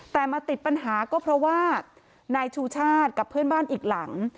แต่มาติดปัญหาก็เพราะว่านายชูชาติกับเพื่อนบ้านอีกหลัง